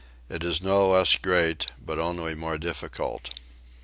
It is not less great, but only more difficult.